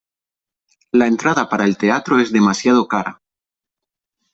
La entrada para el teatro es demasiado cara.